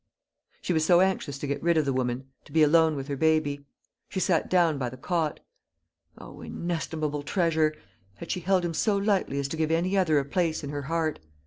She was so anxious to get rid of the woman, to be alone with her baby. She sat down by the cot. O, inestimable treasure! had she held him so lightly as to give any other a place in her heart?